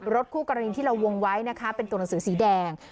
คู่กรณีที่เราวงไว้นะคะเป็นตัวหนังสือสีแดง